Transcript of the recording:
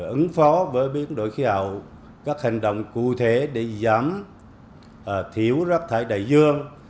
ứng phó với biến đổi khí hậu các hành động cụ thể để giảm thiểu rác thải đại dương